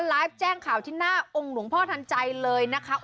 ไลฟ์แจ้งข่าวที่หน้าองค์หลวงพ่อทันใจเลยนะคะ